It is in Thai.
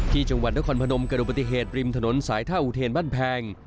จังหวัดนครพนมเกิดอุบัติเหตุริมถนนสายท่าอุเทนบ้านแพง